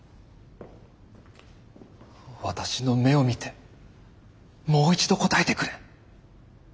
私の目を見てもう一度答えてくれ。